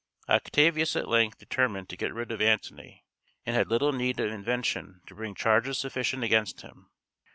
Octavius at length determined to get rid of Antony, and had little need of invention to bring charges sufficient against him.